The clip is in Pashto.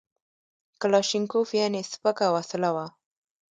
کلاشینکوف یعنې سپکه وسله وه